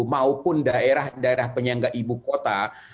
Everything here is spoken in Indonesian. maupun daerah daerah penyangga ibu kota